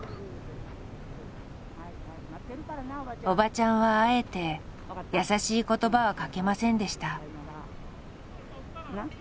おばちゃんはあえて優しい言葉はかけませんでした。